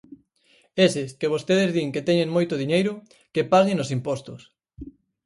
Eses que vostedes din que teñen moito diñeiro, que paguen os impostos.